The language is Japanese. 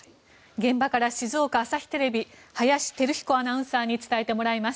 現場から静岡朝日テレビ林輝彦アナウンサーに伝えてもらいます。